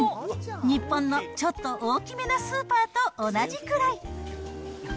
日本のちょっと大きめなスーパーと同じくらい。